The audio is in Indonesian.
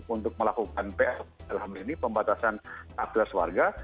untuk melakukan pflm ini pembatasan akhlas warga